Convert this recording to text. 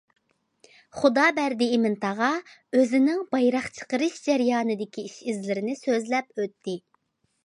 خۇدابەردى ئىمىن تاغا ئۆزىنىڭ بايراق چىقىرىش جەريانىدىكى ئىش- ئىزلىرىنى سۆزلەپ ئۆتتى.